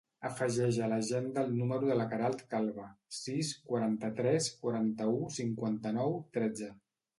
Afegeix a l'agenda el número de la Queralt Calva: sis, quaranta-tres, quaranta-u, cinquanta-nou, tretze.